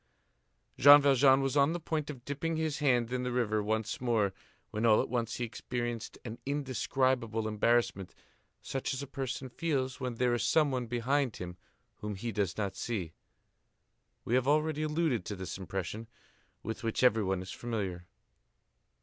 Jean Valjean was on the point of dipping his hand in the river once more, when, all at once, he experienced an indescribable embarrassment, such as a person feels when there is some one behind him whom he does not see. We have already alluded to this impression, with which everyone is familiar.